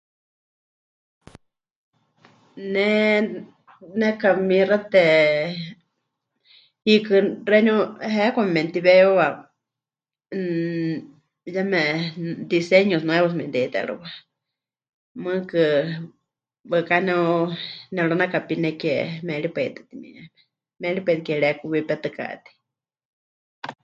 "Ne nekamixate, hiikɨ xeeníu heheekwame memɨtiweewiwa, mmm, yeme ""diseños nuevos"" memɨte'itérɨwa, mɨɨkɨ waɨká nep... nepɨranakapine ke méripai tɨ timieme, méripai ke mɨrekuwipetɨkatei."